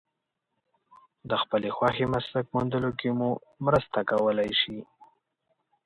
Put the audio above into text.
د خپلې خوښې مسلک موندلو کې مو مرسته کولای شي.